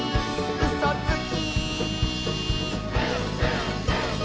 「うそつき！」